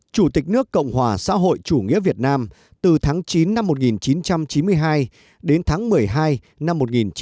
chủ tịch nước cộng hòa xã hội chủ nghĩa việt nam từ tháng chín năm một nghìn chín trăm chín mươi hai đến tháng một mươi hai năm một nghìn chín trăm bảy mươi năm